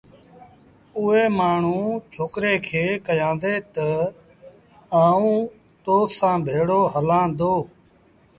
اُئي مآڻهوٚٚݩ ڇوڪري کي ڪهيآݩدي تا آئوݩ با تو سآݩ ڀيڙو هلآݩ دو